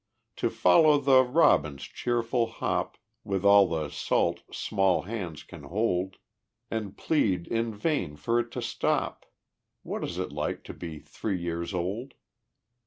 To follow the robin's cheerful hop With all the salt small hands can hold, And plead in vain for it to stop What is it like to be three years old?